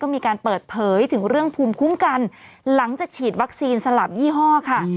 มีการเปิดเผยถึงเรื่องภูมิคุ้มกันหลังจากฉีดวัคซีนสลับยี่ห้อค่ะ